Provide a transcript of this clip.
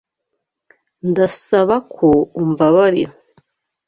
Ndasaba ko umbabarira.